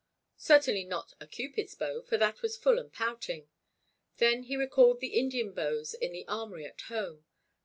Certainly not a Cupid's bow, for that was full and pouting. Then he recalled the Indian bows in the armory at home.